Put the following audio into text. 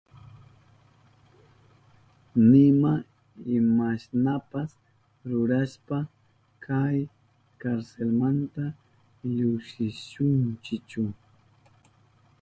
Nima imashnapas rurashpa kay karselmanta llukshishunchichu.